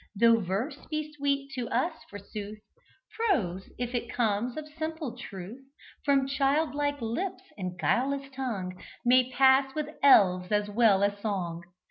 Though verse be sweet to us, forsooth, Prose, if it comes of simple truth, From child like lips and guileless tongue, May pass with elves as well as song.